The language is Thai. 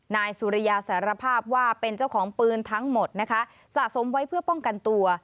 นายสุริยาสารภาพว่าเป็นเจ้าของปืนทั้งหมดนะคะสะสมไว้เพื่อป้องกันตัว